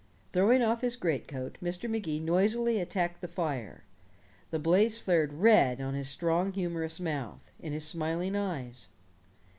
Throwing off his great coat, Mr. Magee noisily attacked the fire. The blaze flared red on his strong humorous mouth, in his smiling eyes.